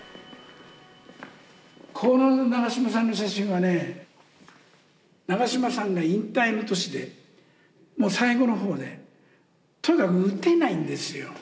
この長嶋さんの写真はね長嶋さんが引退の年でもう最後の方でとにかく打てないんですよ。